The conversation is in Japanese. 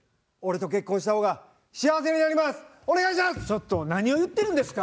ちょっと何を言ってるんですか？